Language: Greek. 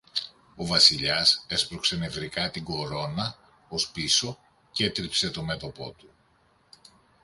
Ο Βασιλιάς έσπρωξε νευρικά την κορώνα ως πίσω κι έτριψε το μέτωπο του